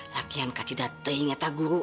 lagi lagi tidak ingat guru